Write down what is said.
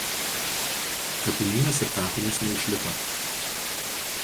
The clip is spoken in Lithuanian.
Kapinynas ir kapinės neišliko.